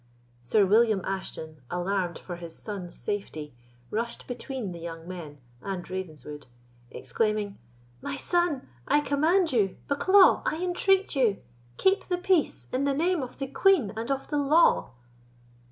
Sir William Ashton, alarmed for his son's safety, rushed between the young men and Ravenswood, exclaiming: "My son, I command you—Bucklaw, I entreat you—keep the peace, in the name of the Queen and of the law!"